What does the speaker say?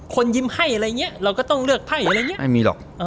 ยิ้มให้อะไรอย่างนี้เราก็ต้องเลือกไพ่อะไรอย่างนี้ไม่มีหรอก